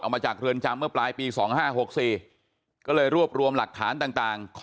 มาจากเรือนจำเมื่อปลายปี๒๕๖๔ก็เลยรวบรวมหลักฐานต่าง